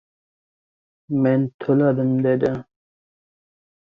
— Men to‘ladim, — dedi.